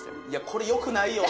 これよくないよ